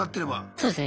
そうですね。